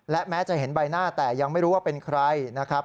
และแม้จะเห็นใบหน้าแต่ยังไม่รู้ว่าเป็นใครนะครับ